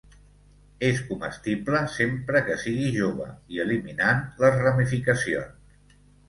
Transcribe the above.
És comestible, sempre que sigui jove i eliminant les ramificacions.